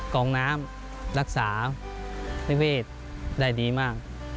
กองน้ำรักษานิเวศได้ดีมาก